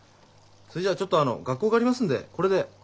それじゃちょっとあの学校がありますんでこれで。